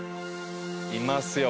いますよ